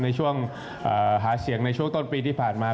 ในช่วงหาเสียงในช่วงต้นปีที่ผ่านมา